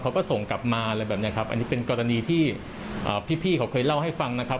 เขาก็ส่งกลับมาอะไรแบบนี้ครับอันนี้เป็นกรณีที่พี่เขาเคยเล่าให้ฟังนะครับ